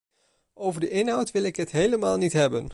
Over de inhoud wil ik het helemaal niet hebben.